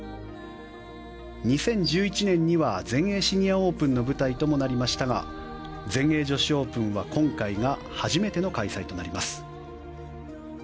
２０１１年には全英シニアオープンの舞台ともなりましたが全英女子オープンは今回が初めての開催となります。